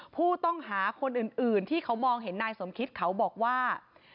ผู้ต้องหาคนอื่นที่เขามองเห็นนายสมคิตเขาบอกว่า